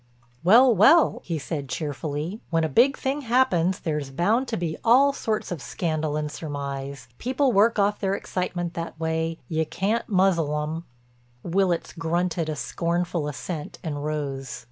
"Well, well," he said cheerfully, "when a big thing happens there's bound to be all sorts of scandal and surmise. People work off their excitement that way; you can't muzzle 'em—" Willitts grunted a scornful assent and rose.